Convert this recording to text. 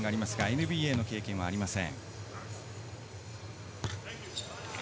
ＮＢＡの経験はありません。